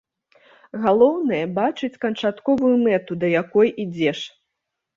Галоўнае, бачыць канчатковую мэту, да якой ідзеш.